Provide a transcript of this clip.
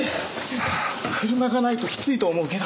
車がないときついと思うけど。